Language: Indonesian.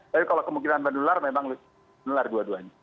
tapi kalau kemungkinan menular memang menular dua duanya